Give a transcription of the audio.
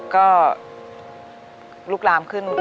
จุ่มจะไม่ได้ยินด้วย